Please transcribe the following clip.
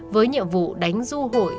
với nhiệm vụ đánh du hội